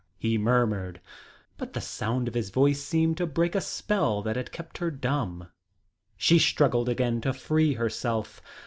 he murmured. But the sound of his voice seemed to break a spell that had kept her dumb. She struggled again to free herself.